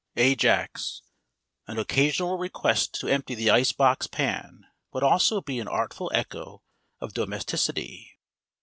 AJAX: An occasional request to empty the ice box pan would also be an artful echo of domesticity.